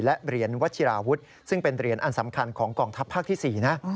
และเหรียญวัชิราวุฒิซึ่งเป็นเหรียญอันสำคัญของกองทัพภาคที่๔นะ